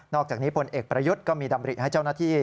อกจากนี้พลเอกประยุทธ์ก็มีดำริให้เจ้าหน้าที่